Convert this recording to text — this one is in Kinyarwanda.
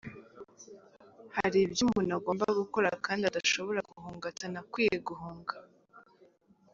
Hari ibyo umuntu agomba gukora kandi adashobora guhunga atanakwiye guhunga.